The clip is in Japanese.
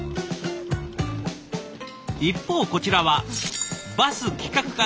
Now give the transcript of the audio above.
一方こちらはバス企画課のお二人。